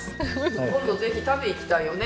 今度ぜひ食べに行きたいよね？